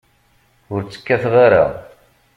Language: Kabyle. Ur tt-kkateɣ ara.